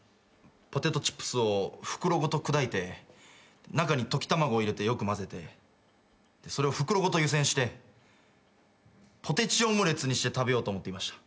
ポテトチップスを袋ごと砕いて中に溶き卵を入れてよくまぜてそれを袋ごと湯煎してポテチオムレツにして食べようと思っていました。